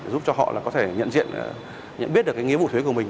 giúp cho họ có thể nhận biết được nghĩa vụ thuế của mình